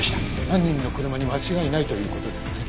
犯人の車に間違いないという事ですね？